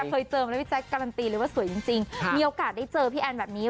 เคยเจอไหมพี่แจ๊คการันตีเลยว่าสวยจริงมีโอกาสได้เจอพี่แอนแบบนี้